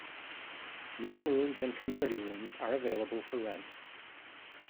Meeting rooms and community rooms are available for rent.